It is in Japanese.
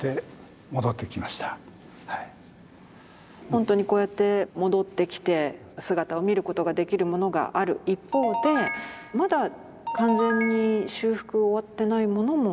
本当にこうやって戻ってきて姿を見ることができるものがある一方でまだ完全に修復終わってないものも？